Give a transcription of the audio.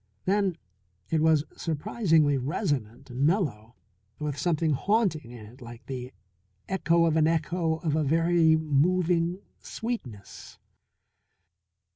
Then it was surprisingly resonant and mellow, with something haunting in it like the echo of an echo of a very moving sweetness.